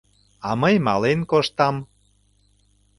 А мый мален коштам...